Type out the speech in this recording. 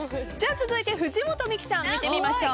続いて村重さん見てみましょう。